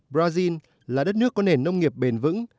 brazil là đất nước có nền nông nghiệp bền vững